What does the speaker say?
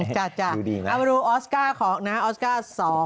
จ้ะเอามาดูออสการ์ของนะฮะออสการ์๒๐๑๙